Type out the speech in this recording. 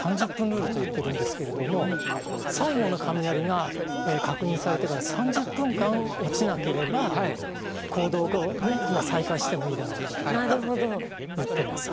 ルールといってるんですけれども最後の雷が確認されてから３０分間落ちなければ行動を再開してもいいだろうといってます。